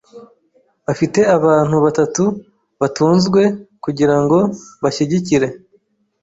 Afite abantu batatu batunzwe kugirango bashyigikire .